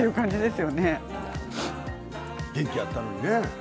元気だったのにね。